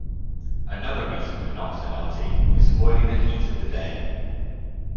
Another reason for nocturnality is avoiding the heat of the day.